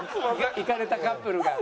イカれたカップルが。